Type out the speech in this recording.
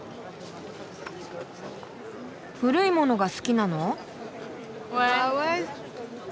古いものが好きなの？